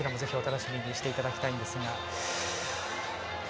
そちらもぜひお楽しみにしていただきたいのですが。